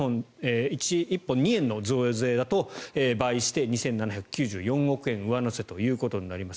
１本２円の増税だと倍にして２７９４億円上乗せとなります。